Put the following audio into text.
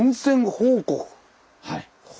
はい。